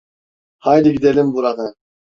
Haydi gidelim buradan.